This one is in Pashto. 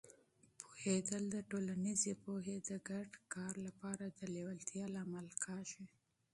پوهېدل د ټولنیزې پوهې او د ګډ کار لپاره د لیوالتیا لامل کېږي.